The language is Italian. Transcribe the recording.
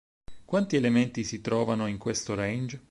Quanti elementi si trovano in questo range?